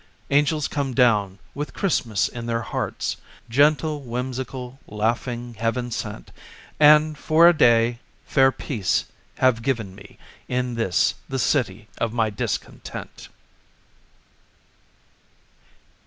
Angels come down, with Christmas in their hearts, Gentle, whimsical, laughing, heaven sent; And, for a day, fair Peace have given me In this, the City of my Discontent!